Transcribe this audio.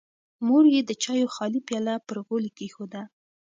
مور یې د چایو خالي پیاله پر غولي کېښوده.